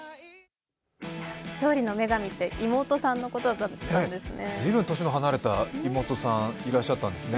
勝利の女神って妹さんのことだったんですね。